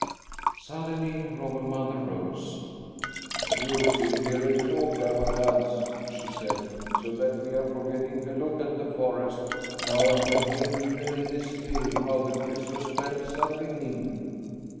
Suddenly Robber Mother rose. "You sit here and talk, Abbot Hans," she said, "so that we are forgetting to look at the forest. Now I can hear, even in this cave, how the Christmas bells are ringing."